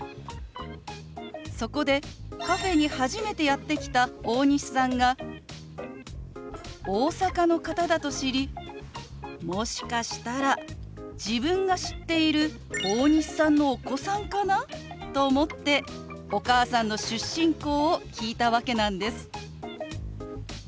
そこでカフェに初めてやって来た大西さんが大阪の方だと知りもしかしたら自分が知っている大西さんのお子さんかなと思ってお母さんの出身校を聞いたわけなんです。